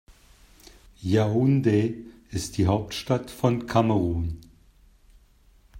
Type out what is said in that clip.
Yaoundé ist die Hauptstadt von Kamerun.